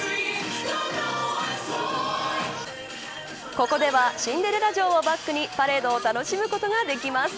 ここではシンデレラ城をバックにパレードを楽しむことができます。